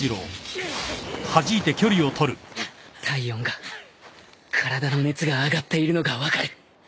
体温が体の熱が上がっているのが分かる